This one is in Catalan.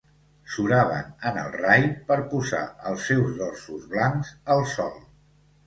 Suraven en el rai per posar els seus dorsos blancs al sol.